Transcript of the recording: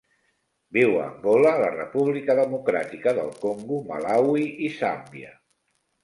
Viu a Angola, la República Democràtica del Congo, Malawi i Zàmbia.